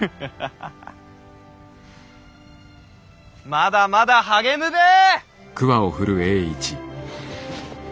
まだまだ励むべぇ。